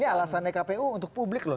jadi alasannya kpu untuk publik loh